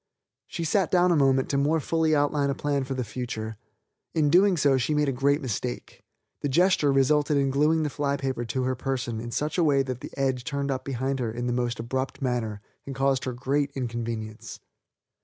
She sat down a moment to more fully outline a plan for the future. In doing so she made a great mistake. The gesture resulted in gluing the fly paper to her person in such a way that the edge turned up behind her in the most abrupt manner and caused her great inconvenience.